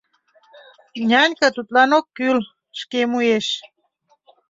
«Нянька тудлан ок кӱл, шке муеш.